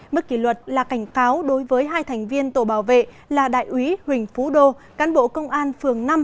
mức kỷ luật là cảnh cáo đối với hai thành viên tổ bảo vệ là đại úy huỳnh phú đô cán bộ công an phường năm